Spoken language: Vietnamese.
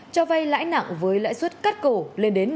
cho vay lãi nặng với lãi suất cắt cổ lên đến một trăm bảy mươi một năm